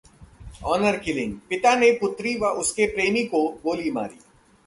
honour killing: पिता ने पुत्री व उसके प्रेमी को गोली मारी